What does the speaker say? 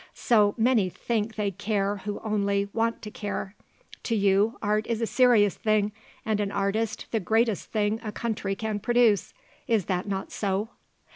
So many think they care who only want to care. To you art is a serious thing and an artist the greatest thing a country can produce. Is not that so?"